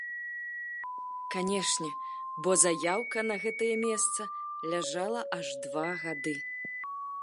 Канешне, бо заяўка на гэтае месца ляжала аж два гады!